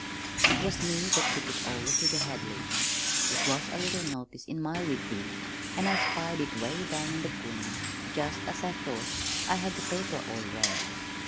"It was me that took it over to the Hadleys. It was a little notice in my weekly, an' I spied it 'way down in the corner just as I thought I had the paper all read.